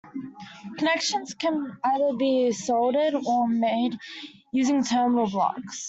Connections can either be soldered, or made using terminal blocks.